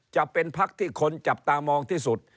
จะเป็นพักที่คนจับตามองที่สุด